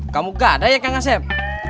kamu gadai ya kang asep